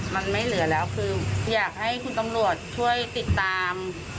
มันไม่เหลือแล้วคืออยากให้คุณตำรวจช่วยติดตาม